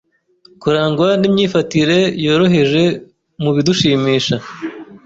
Kurangwa n’Imyifatire Yoroheje mu Bidushimisha